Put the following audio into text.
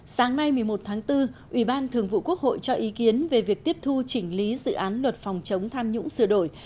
sáng nay một mươi một tháng bốn ủy ban thường vụ quốc hội cho ý kiến về việc tiếp thu chỉnh lý dự án luật phòng chống tham nhũng sửa đổi